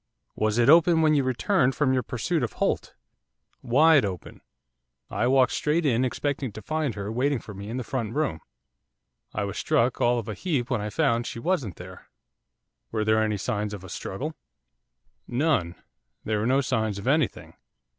'Was it open when you returned from your pursuit of Holt?' 'Wide open, I walked straight in expecting to find her waiting for me in the front room, I was struck all of a heap when I found she wasn't there.' 'Were there any signs of a struggle?' 'None, there were no signs of anything.